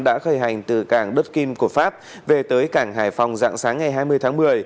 đã khởi hành từ cảng đất kim của pháp về tới cảng hải phòng dạng sáng ngày hai mươi tháng một mươi